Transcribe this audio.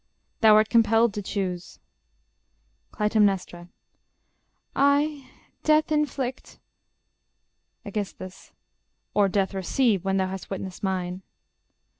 _ Thou art compelled to choose. Cly. I death inflict ... Aegis. Or death receive; when thou hast witnessed mine.